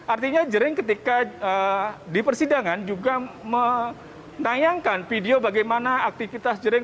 artinya jering ketika di persidangan juga menayangkan video bagaimana aktivitas jering